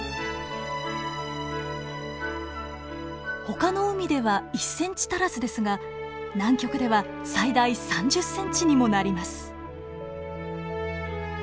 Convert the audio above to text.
ほかの海では１ｃｍ足らずですが南極では最大３０ｃｍにもなります。